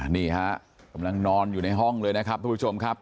นี่ฮะกำลังนอนอยู่ในห้องเลยนะครับทุกผู้ชมครับ